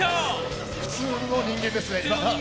まだ普通の人間ですね。